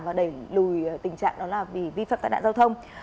và đẩy lùi tình trạng đó là vì vi phạm tai nạn giao thông